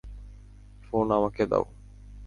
Phone আমাকে দাও।